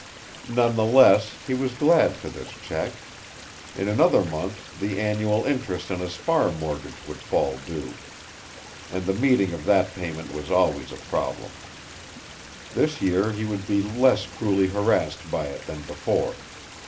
None the less, he was glad for this check. In another month the annual interest on his farm mortgage would fall due. And the meeting of that payment was always a problem. This year he would be less cruelly harassed by it than before.